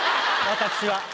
私は。